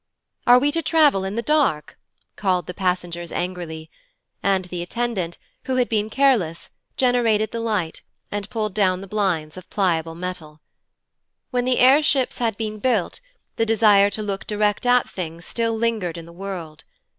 'Are we to travel in the dark?' called the passengers angrily, and the attendant, who had been careless, generated the light, and pulled down the blinds of pliable metal. When the air ships had been built, the desire to look direct at things still lingered in the world.